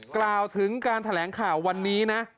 กล่าวถึงการแถลงข่าววันนี้นะ